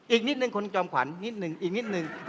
อีกนิดนึงคุณจอมขวัญนิดหนึ่งอีกนิดนึง